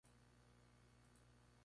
La canción fue usada en la telenovela.